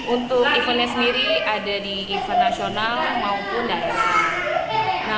untuk eventnya sendiri ada di event nasional maupun daerah